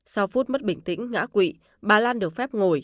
sau phút mất bình tĩnh ngã quỵ bà lan được phép ngồi